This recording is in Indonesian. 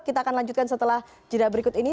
kita akan lanjutkan setelah jeda berikut ini